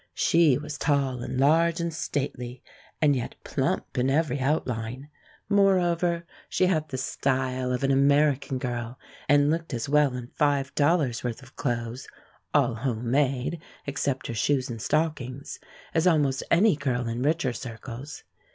She was tall and large and stately, and yet plump in every outline. Moreover, she had the "style" of an American girl, and looked as well in five dollars' worth of clothes all home made, except her shoes and stockings as almost any girl in richer circles.